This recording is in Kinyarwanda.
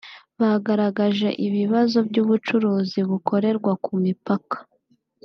bagaragaje ibibazo by’ubucuruzi bukorerwa ku mipaka